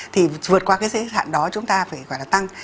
thì vượt qua cái giới hạn đó chúng ta phải gọi là tăng